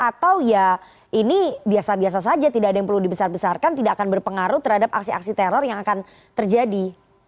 atau ya ini biasa biasa saja tidak ada yang perlu dibesar besarkan tidak akan berpengaruh terhadap aksi aksi teror yang akan terjadi